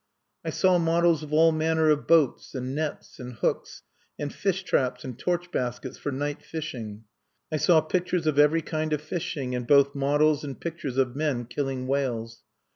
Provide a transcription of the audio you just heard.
I saw models of all manner of boats and nets and hooks and fish traps and torch baskets for night fishing. I saw pictures of every kind of fishing, and both models and pictures of men killing whales.